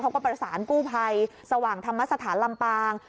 เขาก็ประสานกู้ภัยสว่างธรรมสถานลำปาง